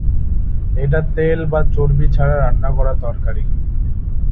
এটা তেল বা চর্বি ছাড়া রান্না করা তরকারি।